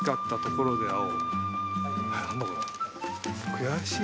悔しい？